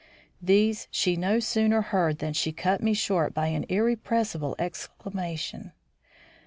These she no sooner heard than she cut me short by an irrepressible exclamation.